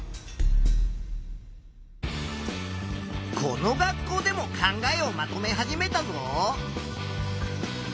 この学校でも考えをまとめ始めたぞ。